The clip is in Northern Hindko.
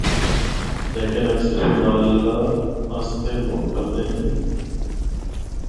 لیکن اکثر اے مالا اسطے لوگ کردے ہن۔